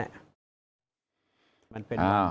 อ้าว